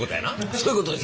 そういうことです。